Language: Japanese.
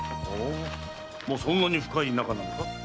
ほうそんなに深い仲なのか？